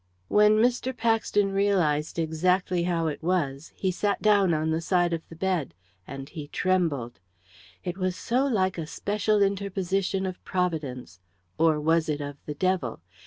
When Mr. Paxton realised exactly how it was he sat down on the side of the bed, and he trembled. It was so like a special interposition of Providence or was it of the devil?